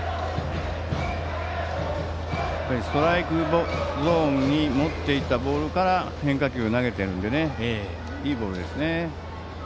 ストライクゾーンにもっていったボールから変化球を投げているのでいいボールですね。